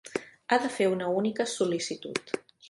Ha de fer una única sol·licitud.